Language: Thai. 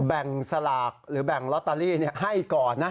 สลากหรือแบ่งลอตเตอรี่ให้ก่อนนะ